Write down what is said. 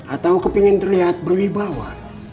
atau kepingin terlihat berwibawa